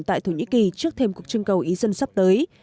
tại thổ nhĩ kỳ trước thêm cuộc trưng cầu ý dân sắp tới